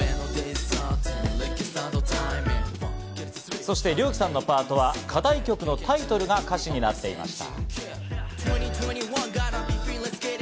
そしてＲＹＯＫＩさんのパートは課題曲のタイトルが歌詞になっていました。